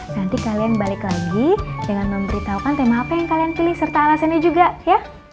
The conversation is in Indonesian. nanti kalian balik lagi dengan memberitahukan tema apa yang kalian pilih serta alasannya juga ya